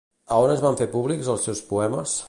On es van fer públics els seus poemes?